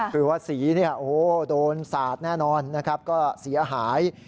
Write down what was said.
คือว่าสีโดนสาดแน่นอนก็เสียหาย